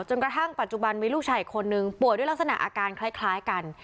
กระทั่งปัจจุบันมีลูกชายอีกคนนึงป่วยด้วยลักษณะอาการคล้ายกัน